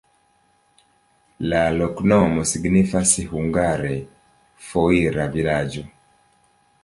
La loknomo signifas hungare: foira-vilaĝo.